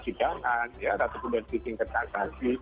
sebuah proses yang disekolahkan